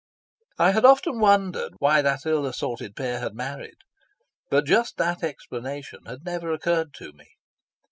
I had often wondered why that ill assorted pair had married, but just that explanation had never occurred to me.